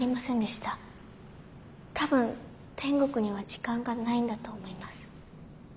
多分天国には時間がないんだと思います。